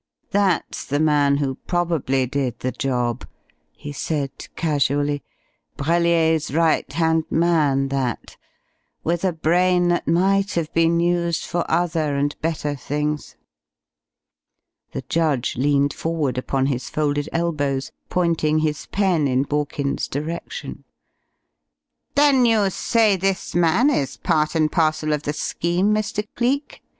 "That's the man who probably did the job," he said casually. "Brellier's right hand man, that. With a brain that might have been used for other and better things." The judge leaned forward upon his folded elbows, pointing his pen in Borkins's direction. "Then you say this man is part and parcel of the scheme, Mr. Cleek?"